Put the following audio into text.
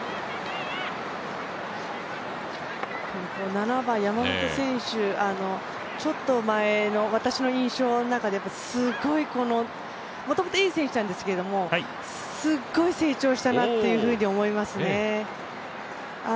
７番・山本選手、ちょっと前の私の印象の中でもともといい選手なんですけれども、すごい成長したなと思いますね。